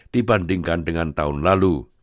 dibandingkan dengan tahun lalu